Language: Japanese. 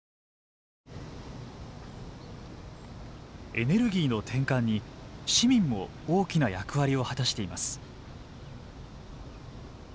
エネルギーの転換に市民も大きな役割を果たしています。